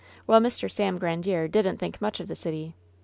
Well, Mr. Sam Grandiere didn't think much of the city.